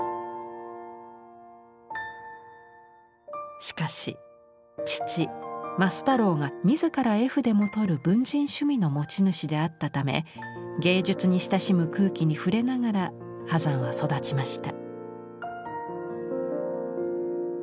しかし父増太郎が自ら絵筆も執る文人趣味の持ち主であったため芸術に親しむ空気に触れながら波山は育ちました。